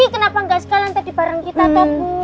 kenapa gak sekalian tadi bareng kita bu